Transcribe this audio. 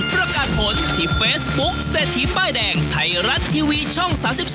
ประกาศผลที่เฟซบุ๊คเศรษฐีป้ายแดงไทยรัฐทีวีช่อง๓๒